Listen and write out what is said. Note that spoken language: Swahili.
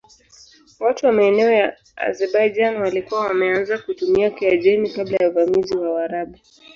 Watu wa maeneo ya Azerbaijan walikuwa wameanza kutumia Kiajemi kabla ya uvamizi wa Waarabu.